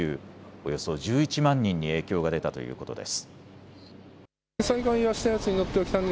およそ１１万人に影響が出たということです。